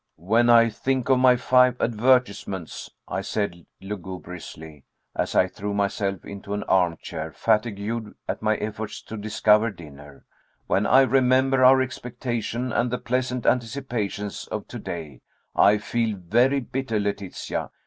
"When I think of my five advertisements," I said lugubriously, as I threw myself into an arm chair, fatigued at my efforts to discover dinner, "when I remember our expectation, and the pleasant anticipations of to day, I feel very bitter, Letitia.